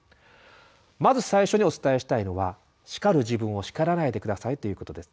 まず最初にお伝えしたいのは「叱る自分を叱らないでください」ということです。